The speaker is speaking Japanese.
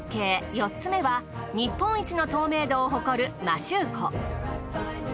４つ目は日本一の透明度を誇る摩周湖。